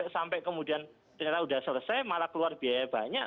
sampai kemudian ternyata sudah selesai malah keluar biaya banyak